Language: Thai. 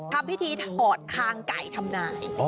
ทำพิธีถอดคางไก่ทำนาย